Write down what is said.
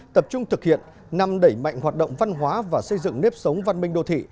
tập trung thực hiện năm đẩy mạnh hoạt động văn hóa và xây dựng nếp sống văn minh đô thị